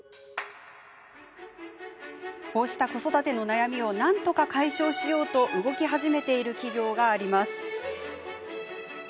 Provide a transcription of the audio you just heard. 子育ての悩みをなんとか解消しようと動き始めている企業があります。